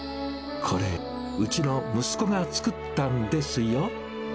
これ、うちの息子が作ったんですよ。